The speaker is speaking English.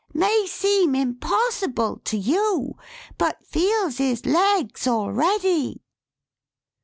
May seem impossible to you, but feels his legs al ready!"